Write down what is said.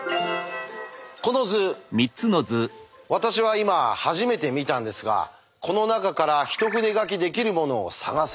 この図私は今初めて見たんですがこの中から一筆書きできるものを探せるか。